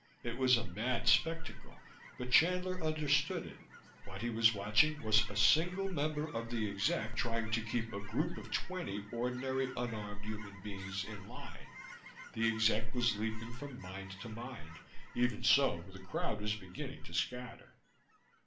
It was a mad spectacle, but Chandler understood it: What he was watching was a single member of the exec trying to keep a group of twenty ordinary, unarmed human beings in line. The exec was leaping from mind to mind; even so, the crowd was beginning to scatter.